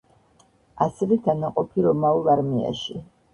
ასევე დანაყოფი რომაულ არმიაში.